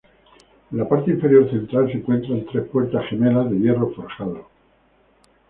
En la parte inferior central se encuentran tres puertas gemelas de hierro forjado.